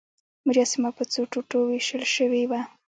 مجسمه په څو ټوټو ویشل شوې وه.